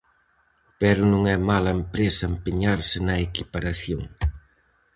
Pero non é mala empresa empeñarse na equiparación.